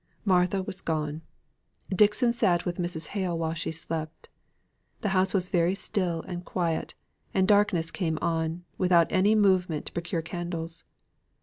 Martha was gone. Dixon sat with Mrs. Hale while she slept. The house was very still and quiet, and darkness came on, without any movement to procure candles.